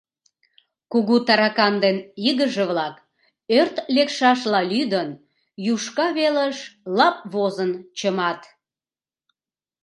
Кугу таракан ден игыже-влак, ӧрт лекшашла лӱдын, юшка велыш лап возын чымат.